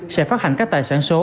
sẽ phát hành các tài sản số